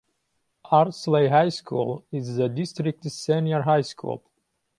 Ardsley High School is the district's senior high school.